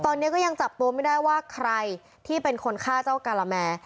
ตอนนี้ก็ยังจับตัวไม่ได้ว่าใครที่เป็นคนฆ่าเจ้าการาแม